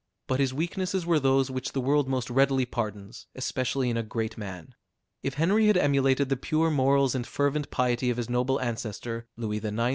But his weaknesses were those which the world most readily pardons, especially in a great man. If Henry had emulated the pure morals and fervent piety of his noble ancestor, Louis IX.